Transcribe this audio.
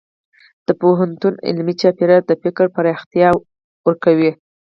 د پوهنتون علمي چاپېریال د فکر پراختیا ورکوي.